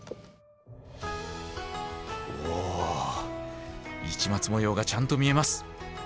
お市松模様がちゃんと見えます。